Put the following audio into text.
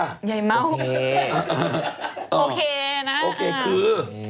ยายเมาท์โอเคโอเคนะโอเคคือ